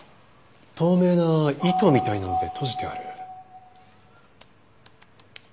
透明な糸みたいなので閉じてある。